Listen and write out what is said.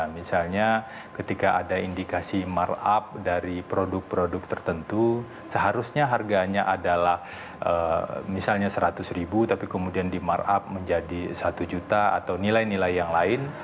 misalnya ketika ada indikasi markup dari produk produk tertentu seharusnya harganya adalah misalnya seratus ribu tapi kemudian di markup menjadi satu juta atau nilai nilai yang lain